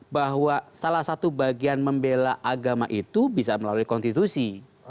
bahwa salah satu bagian membela agama itu bisa melalui konstitusi